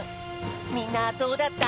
みんなどうだった？